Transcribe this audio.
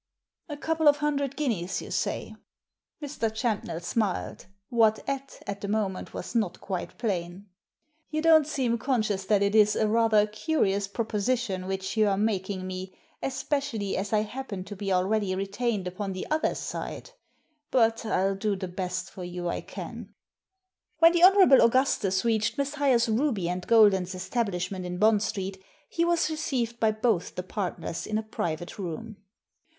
"A couple of hundred guineas, you say?" Mr. Champnell smiled ; what at at the moment was not quite plain. "You don't seem conscious that it is a rather curious proposition which you are making me, especially as I happen to be already retained upon the other side, but I'll do the best for you I can." When the Hon. Augustus reached Messrs. Ruby and Golden's establishment in Bond Street he was received by both the partners in a private room.